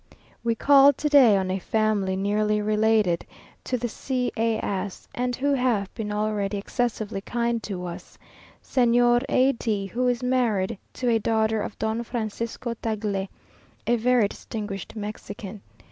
We called to day on a family nearly related to the C as, and who have been already excessively kind to us; Señor A d, who is married to a daughter of Don Francisco Tagle, a very distinguished Mexican.